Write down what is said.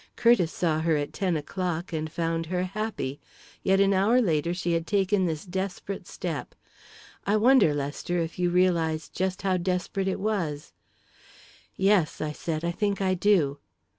Curtiss saw her at ten o'clock and found her happy, yet an hour later she had taken this desperate step. I wonder, Lester, if you realise just how desperate it was?" "Yes," I said; "I think I do."